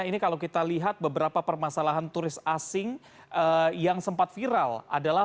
ini kalau kita lihat beberapa permasalahan turis asing yang sempat viral adalah